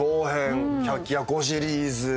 百鬼夜行シリーズ。